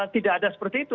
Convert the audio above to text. tidak ada seperti itu